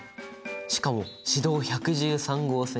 しかも市道１１３号線。